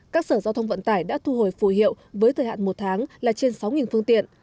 các sở giao thông vận tải đã thu hồi phù hiệu với thời hạn một tháng là trên sáu phương tiện